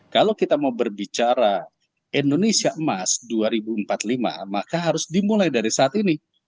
kalau kita mau berbicara indonesia emas dua ribu empat puluh lima maka harus dimulai dari saat ini